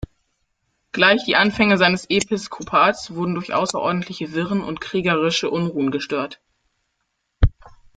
Gleich die Anfänge seines Episkopats wurden durch außerordentliche Wirren und kriegerische Unruhen gestört.